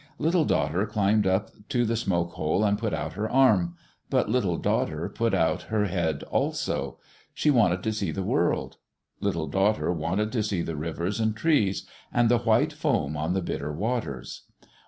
Little Daughter climbed up to the smoke hole and put out her arm. But Little Daughter put out her head also. She wanted to see the world. Little Daughter wanted to see the rivers and trees, and the white foam on the Bitter Waters.